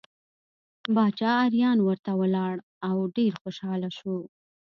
باچا اریان ورته ولاړ او ډېر خوشحاله شو.